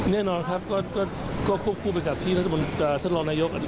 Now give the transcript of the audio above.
แน่นอนครับก็ควบคุมไปกับที่รัฐบุญกราชธรรมนายก